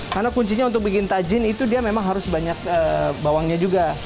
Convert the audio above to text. karena kuncinya untuk bikin tajin itu dia memang harus banyak bawangnya juga